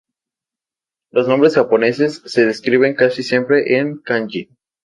Los nombres japoneses se escriben casi siempre en "kanji".